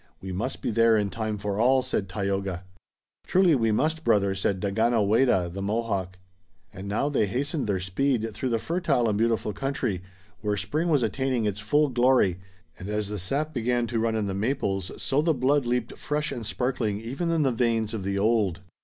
"We must be there in time for all," said Tayoga. "Truly we must, brother," said Daganoweda, the Mohawk. And now they hastened their speed through the fertile and beautiful country, where spring was attaining its full glory, and, as the sap began to run in the maples, so the blood leaped fresh and sparkling even in the veins of the old.